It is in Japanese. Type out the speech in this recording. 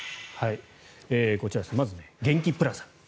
こちら、まず元気ぷらざ。